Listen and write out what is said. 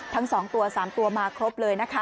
ทั้งสองตัวสามตัวมาครบเลยนะคะ